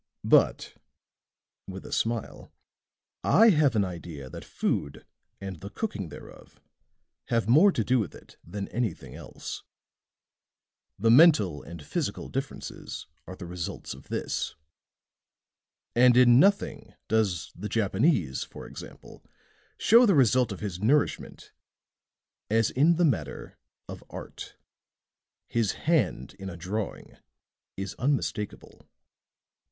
"But," with a smile, "I have an idea that food and the cooking thereof has more to do with it than anything else. The mental and physical differences are the results of this. And in nothing does the Japanese, for example, show the result of his nourishment as in the matter of art. His hand in a drawing is unmistakable."